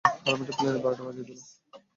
হারামিটা প্ল্যানের বারোটা বাজিয়ে দিল।